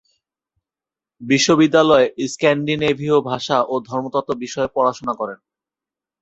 বিশ্ববিদ্যালয়ে স্ক্যান্ডিনেভীয় ভাষা ও ধর্মতত্ত্ব বিষয়ে পড়াশোনা করেন।